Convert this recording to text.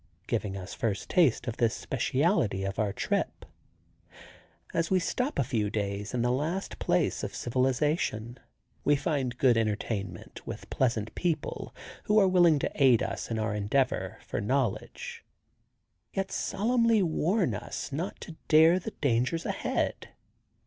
Giving us first taste of this specialty of our trip. As we stop a few days in the last place of civilization. We find good entertainment with pleasant people who are willing to aid us in our endeavor for knowledge, yet solemnly warn us not to dare the dangers ahead.